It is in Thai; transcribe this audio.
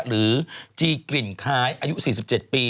หรือจีกลิ่นคล้ายอายุ๔๗ปี